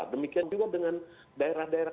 demikian juga dengan daerah daerah